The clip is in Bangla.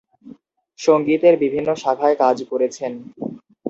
সঙ্গীতের বিভিন্ন শাখায় কাজ করেছেন।